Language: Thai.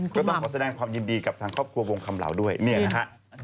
ก็ต้องขอแสดงความยินดีกับทางครอบครัววงคำเหล่าด้วยเนี่ยนะฮะ